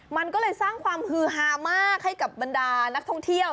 มันก็เลยสร้างความฮือฮามากให้กับบรรดานักท่องเที่ยว